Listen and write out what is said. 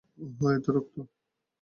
ওহ, এত রক্ত!